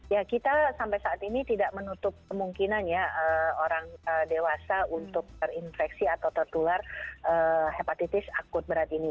ya kita sampai saat ini tidak menutup kemungkinan ya orang dewasa untuk terinfeksi atau tertular hepatitis akut berat ini